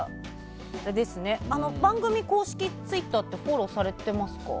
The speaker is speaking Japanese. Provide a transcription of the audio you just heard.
番組公式ツイッターってフォローされてますか？